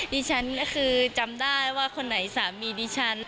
ดิฉันก็คือจำได้ว่าคนไหนสามีดิฉัน